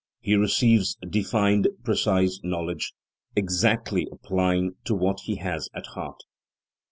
He receives defined, precise knowledge, exactly applying to what he has at heart.